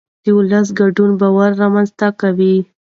د ولس ګډون باور رامنځته کوي